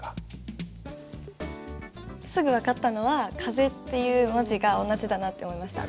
すぐ分かったのは「風」っていう文字が同じだなと思いました。